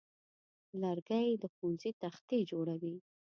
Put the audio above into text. لرګی د ښوونځي تختې جوړوي.